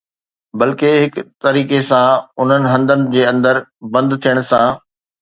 بلڪه، هڪ طريقي سان، انهن هنڌن جي اندر بند ٿيڻ سان